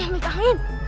jangan di pegangin